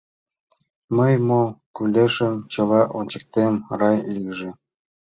— Мей мо кӱлешым чыла ончыктем, раш лийже.